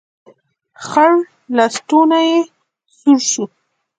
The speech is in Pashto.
خړ لستوڼی يې سور شو.